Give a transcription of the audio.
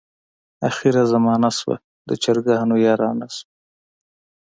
اخره زمانه شوه، د چرګانو یارانه شوه.